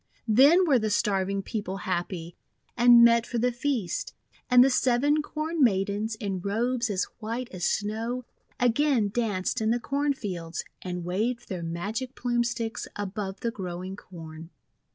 Then were the starving people happy, and met for the feast. And the Seven Corn Maidens, in robes as white as snow, again danced in the corn fields, and waved their magic Plume Sticks above the growing Corn.